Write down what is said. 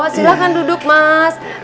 silahkan duduk mas